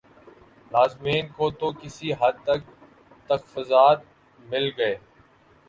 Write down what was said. لازمین کو تو کسی حد تک تخفظات مل گئے